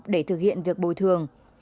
để thực hiện việc bồi thường